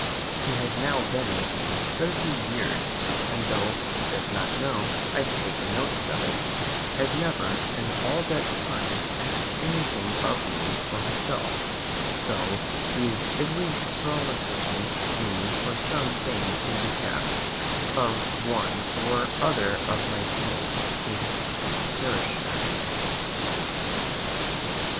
He has now been with me thirty years; and tho' he does not know I have taken notice of it, has never in all that time asked anything of me for himself, tho' he is every day soliciting me for some thing in behalf of one or other of my tenants his parishioners.